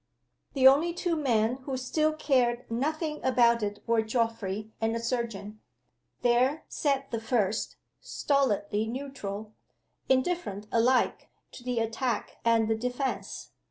The only two men who still cared nothing about it were Geoffrey and the surgeon. There sat the first, stolidly neutral indifferent alike to the attack and the defense.